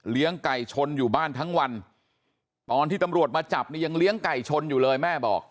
ไก่ชนอยู่บ้านทั้งวันตอนที่ตำรวจมาจับนี่ยังเลี้ยงไก่ชนอยู่เลยแม่บอก